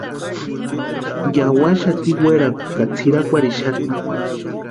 Yawaxati werhakwa ka tsʼirakwarhixati.